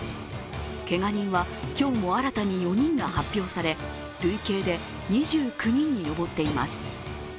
けが人は今日も新たに４人が発表され、累計で２９人に上っています。